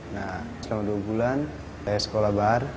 nah selama dua bulan saya sekolah bar